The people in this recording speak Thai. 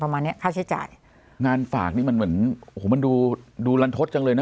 ประมาณเนี้ยค่าใช้จ่ายงานฝากนี่มันเหมือนโอ้โหมันดูดูลันทศจังเลยนะ